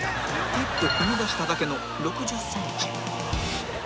１歩踏み出しただけの６０センチ